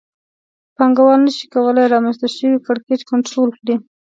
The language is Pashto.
پانګوال نشي کولای رامنځته شوی کړکېچ کنټرول کړي